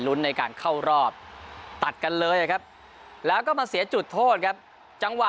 ในการเข้ารอบตัดกันเลยครับแล้วก็มาเสียจุดโทษครับจังหวะ